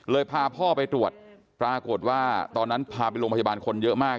พาพ่อไปตรวจปรากฏว่าตอนนั้นพาไปโรงพยาบาลคนเยอะมาก